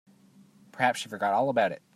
Perhaps she forgot all about it.